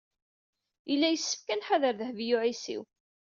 Yella yessefk ad nḥader Dehbiya u Ɛisiw.